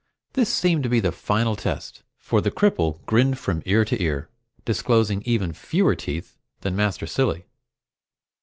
This seemed to be the final test, for the cripple grinned from ear to ear, disclosing even fewer teeth than Master Cilley.